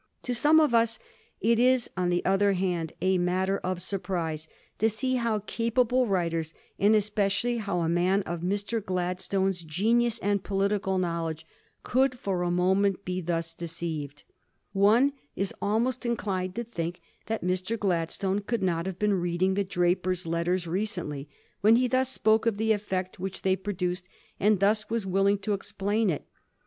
To some of us it is, on the other hand, a matter of surprise to see how capable writers, and especially how a man of Mr. Gladstone's genius and political knowledge, could for a moment be thus decieved. One is almost inclined to think that Mr. Gladstone could not have been reading the ' Drapier's Letters ' recently, when he thus spoke of the effect which they produced, and thus was willing to explain it.